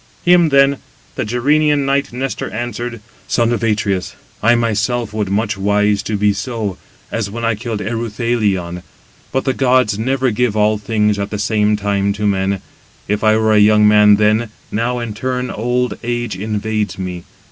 Him then the Gerenian knight Nestor answered: "Son of Atreus, I myself would much wish to be so, as when I killed Eruthalion. But the gods never give all things at the same time to men. If I were a young man then, now in turn old age invades me.